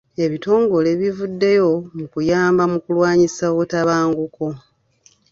Ebitongole bivuddeyo okuyamba mu kulwanyisa obutabanguko.